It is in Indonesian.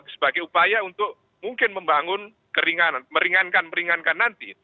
sebagai upaya untuk mungkin membangun keringanan meringankan meringankan nanti